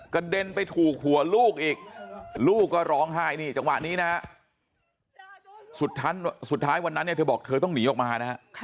กระเด็นไปถูกหัวลูกอีกลูกก็ร้องไห้นี่จังหวะนี้นะฮะ